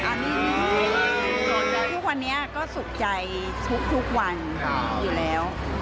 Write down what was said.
อันนี้ทุกวันนี้ก็สุขใจทุกวันอยู่แล้ว